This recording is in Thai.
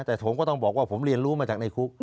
แต่ผมก็ต้องบอกว่าผมเรียนรู้มาจากในคุก